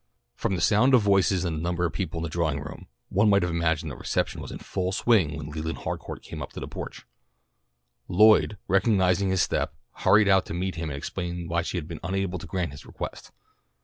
From the sound of voices and the number of people in the drawing room, one might have imagined that a reception was in full swing when Leland Harcourt came up on the porch. Lloyd, recognizing his step, hurried out to meet him and explain why she had been unable to grant his request.